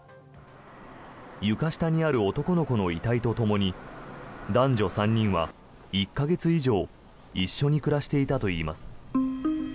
床下にある男の子の遺体とともに男女３人は１か月以上一緒に暮らしていたといいます。